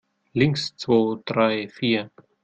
Links, zwo, drei, vier!